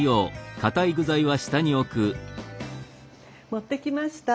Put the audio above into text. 持ってきました！